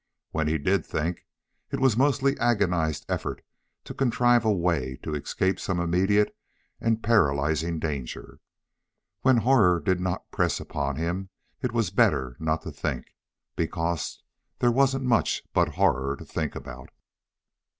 When he did think, it was mostly agonized effort to contrive a way to escape some immediate and paralyzing danger. When horror did not press upon him, it was better not to think, because there wasn't much but horror to think about.